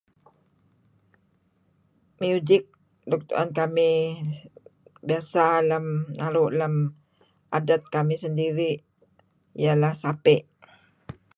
Miujik luk tu'en kamih biasa lem, naru' lem adet kamih sendiri' ieh leh sapey'.